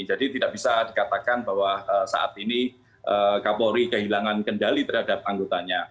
jadi tidak bisa dikatakan bahwa saat ini kapolri kehilangan kendali terhadap anggotanya